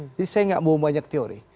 jadi saya tidak mau banyak teori